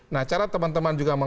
nah cara teman teman juga